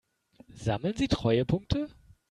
Sammeln Sie Treuepunkte?